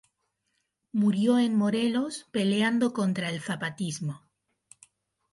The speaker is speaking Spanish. Murió en Morelos peleando contra el zapatismo.